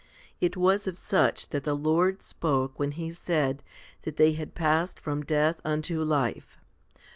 It was of such that the Lord spoke when He said that they had passed from death unto life.